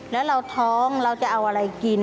แล้วเราท้องเราจะเอาอะไรกิน